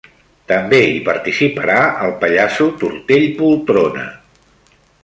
També hi participarà el pallasso Tortell Poltrona.